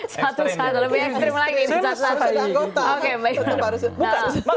satu satu lebih ekstrim lagi